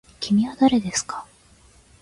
きみはだれですか。